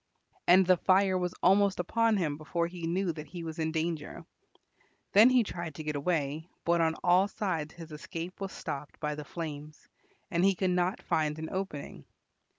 And the fire was almost upon him before he knew that he was in danger. Then he tried to get away, but on all sides his escape was stopped by the flames and he could not find an opening.